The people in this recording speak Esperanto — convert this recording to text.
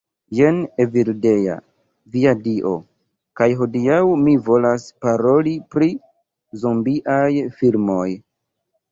Jen Evildea. Via Dio. kaj hodiaŭ mi volas paroli pri zombiaj filmoj